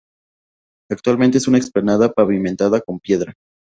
Actualmente es una explanada pavimentada con piedra.